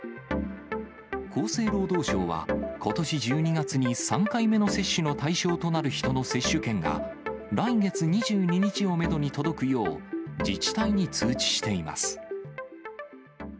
厚生労働省は、ことし１２月に３回目の接種の対象となる人の接種券が、来月２２日をメドに届くよう、自治体に通知しています。